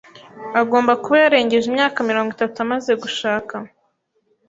Agomba kuba yarengeje imyaka mirongo itatu amaze gushaka.